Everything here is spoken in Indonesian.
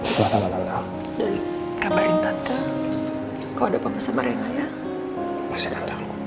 kabarin tante kau dapat sama rina ya